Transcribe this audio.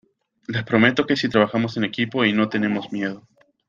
les prometo que si trabajamos en equipo y no tenemos miedo